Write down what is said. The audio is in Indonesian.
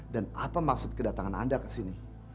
dan apa maksud kedatangan anda kesini